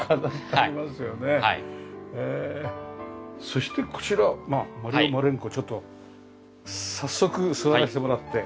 そしてこちらマリオ・マレンコをちょっと早速座らせてもらって。